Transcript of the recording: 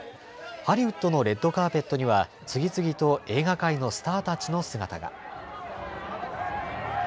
ハリウッドのレッドカーペットには次々と映画界のスターたちの姿が。